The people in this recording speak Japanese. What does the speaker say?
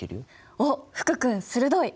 おっ福君鋭い！